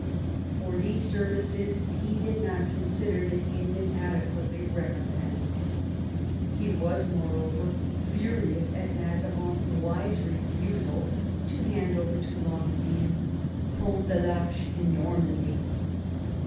For these services he did not consider that he had been adequately recompensed. He was, moreover, furious at Mazarin's wise refusal to hand over to Longueville Pont de TArche in Normandy.